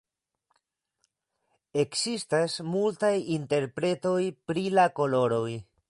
Ekzistas multaj interpretoj pri la koloroj.